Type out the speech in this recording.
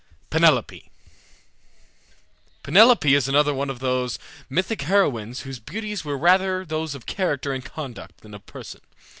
PENELOPE Penelope is another of those mythic heroines whose beauties were rather those of character and conduct than of person.